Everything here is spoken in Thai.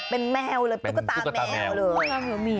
เป็นแมวเลยตุ๊กตาแมวเลย